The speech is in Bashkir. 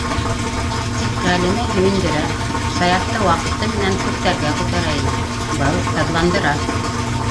Тик Ғәлимә һөйөндөрә, Саяфты ваҡыты менән күктәргә күтәрә ине - был һыҙландыра.